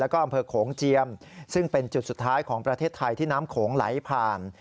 แล้วก็อำเภอโขงเจียมซึ่งเป็นจุดสุดท้ายของประเทศไทยที่น้ำโขงไหลผ่าน